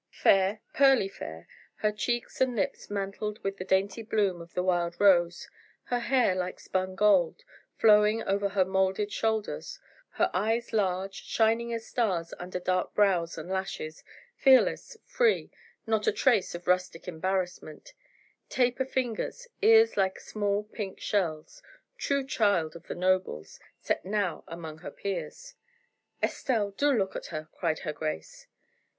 Fair, pearly fair, her cheeks and lips mantled with the dainty bloom of the wild rose; her hair like spun gold, flowing over her molded shoulders; her eyes large, shining as stars under dark brows and lashes, fearless, free, not a trace of rustic embarrassment; taper fingers, ears like small pink shells, true child of the nobles, set now among her peers. "Estelle! do look at her!" cried her grace.